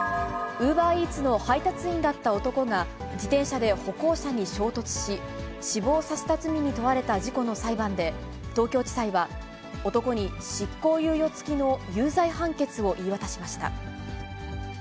ウーバーイーツの配達員だった男が、自転車で歩行者に衝突し、死亡させた罪に問われた事故の裁判で、東京地裁は、男に執行猶予付きの有罪判決を言い渡しました。